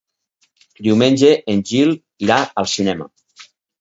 Diumenge en Gil irà al cinema.